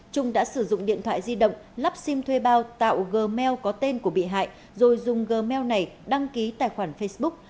trung đã sử dụng điện thoại di động lắp sim thuê bao tạo gmail có tên của bị hại rồi dùng gmail này đăng ký tài khoản facebook